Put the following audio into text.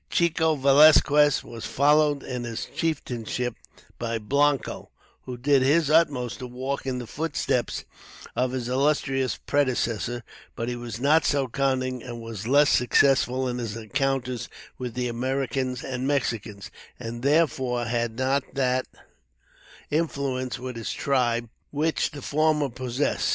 Chico Velasques was followed in his chieftainship by Blanco, who did his utmost to walk in the footsteps of his illustrious predecessor; but, he was not so cunning, and was less successful in his encounters with the Americans and Mexicans, and therefore had not that influence with his tribe which the former possessed.